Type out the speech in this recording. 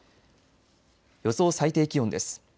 予想最低気温です。